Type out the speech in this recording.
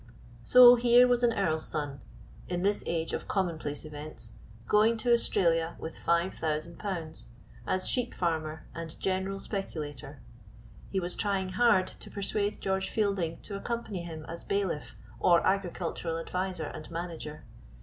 So here was an earl's son (in this age of commonplace events) going to Australia with five thousand pounds, as sheep farmer and general speculator. He was trying hard to persuade George Fielding to accompany him as bailiff or agricultural adviser and manager.